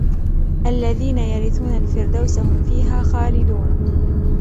الذين يرثون الفردوس هم فيها خالدون